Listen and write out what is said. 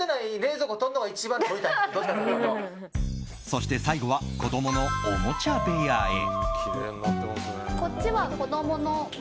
そして最後は子供のおもちゃ部屋へ。